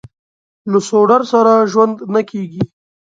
له سوډرسره ژوند نه کېږي.